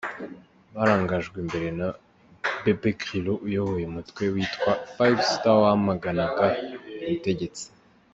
Barangajwe imbere na Beppe Grillo uyoboye umutwe witwa Five Star wamagana ubutegetsi.